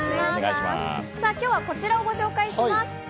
今日はこちらをご紹介します。